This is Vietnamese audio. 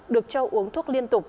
được cho uống thuốc liên tục